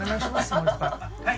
もう１杯。